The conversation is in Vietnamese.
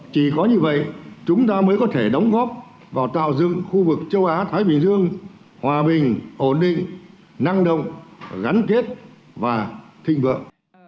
chỉ có như vậy chúng ta mới có thể đóng góp vào tạo dựng khu vực châu á thái bình dương hòa bình ổn định năng động gắn kết và thịnh vượng